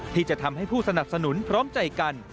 ที่จะทำให้ผู้สนับสนุนพร้อมใจกัน